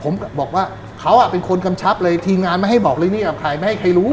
ผมบอกว่าเขาเป็นคนกำชับเลยทีมงานไม่ให้บอกเลยนี่กับใครไม่ให้ใครรู้